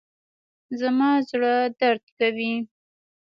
زما زړه درد کوي